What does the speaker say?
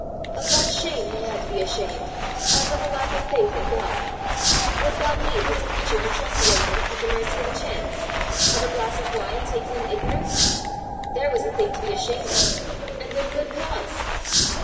Of that shame he had to be ashamed, as of a lack of faith in God! Would God leave his creature who trusted in him at the mercy of a chance of a glass of wine taken in ignorance? There was a thing to be ashamed of, and with good cause!